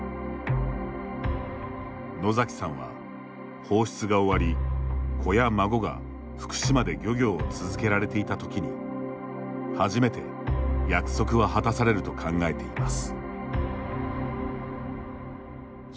野崎さんは、放出が終わり子や孫が福島で漁業を続けられていたときに初めて、約束は果たされると考えています。